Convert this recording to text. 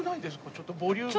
ちょっとボリューミー。